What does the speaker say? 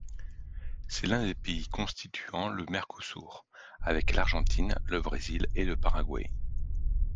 C'est l'un des pays constituant le Mercosur, avec l'Argentine, le Brésil et le Paraguay.